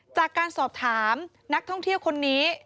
จากการสอบถามนักท่องเที่ยวคนนี้